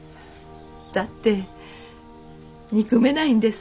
だって憎めないんです。